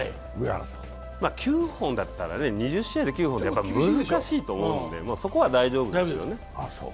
９本だったら２０試合って９本って難しいと思うんでそこは大丈夫ですよね。